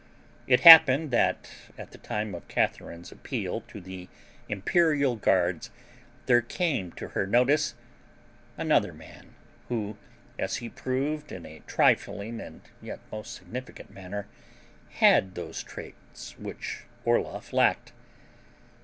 It happened that at the time of Catharine's appeal to the imperial guards there came to her notice another man who as he proved in a trifling and yet most significant manner had those traits which Orloff lacked.